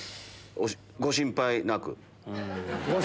ご心配なく。